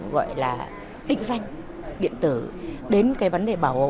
gọi là định danh điện tử đến cái vấn đề bảo vệ bí mật